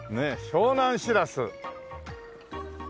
「湘南しらす」。